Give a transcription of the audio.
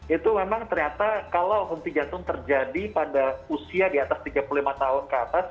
itu memang ternyata kalau henti jantung terjadi pada usia di atas tiga puluh lima tahun ke atas